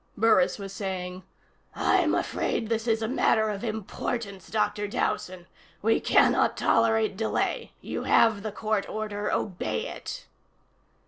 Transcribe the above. Burris was saying: "... I'm afraid this is a matter of importance, Dr. Dowson. We cannot tolerate delay. You have the court order. Obey it."